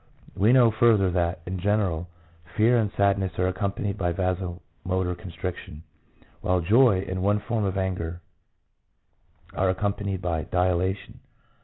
We know further that, in general, fear and sadness are accompanied by vaso motor constriction, while joy and one form of anger are accompanied by dilation.